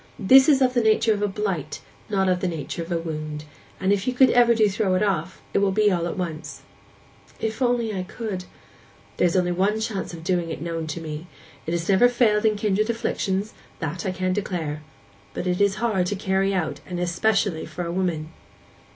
This is of the nature of a blight, not of the nature of a wound; and if you ever do throw it off; it will be all at once.' 'If I only could!' 'There is only one chance of doing it known to me. It has never failed in kindred afflictions,—that I can declare. But it is hard to carry out, and especially for a woman.